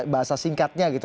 bahasa singkatnya gitu